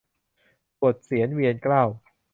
ปวดเศียรเวียนเกล้า